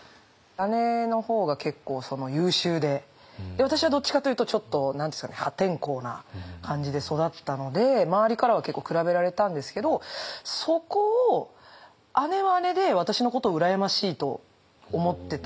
姉の方が結構優秀で私はどっちかというとちょっと破天荒な感じで育ったので周りからは結構比べられたんですけどそこを姉は姉で私のことを羨ましいと思ってたみたいで。